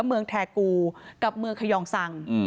เมืองแทกูกับเมืองขยองสัง